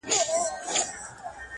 عاید زیات کړه، سپما وکړه